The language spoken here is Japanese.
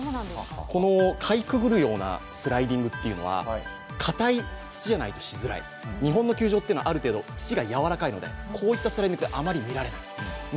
このかいくぐるようなスライディングというのは硬い土じゃないと、しづらい、日本の球場はある程度、土が軟らかいのでこういったスライディングはあまり見られない。